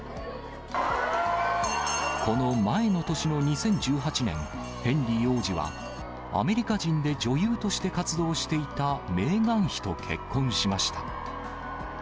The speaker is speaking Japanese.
この前の年の２０１８年、ヘンリー王子は、アメリカ人で女優として活動していたメーガン妃と結婚しました。